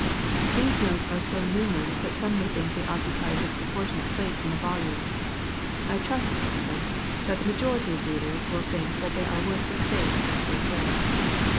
These notes \ are so numerous that some may think they occupy a \ disproportionate place in the volume. I trust, however, ^ that the majority of readers will think that they are ^. worth the space which they fill.